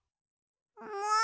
もう！